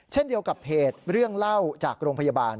เช่นเดียวกับเพจเรื่องเล่าจากโรงพยาบาล